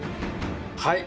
はい。